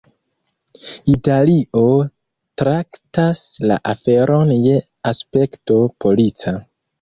Italio traktas la aferon je aspekto polica.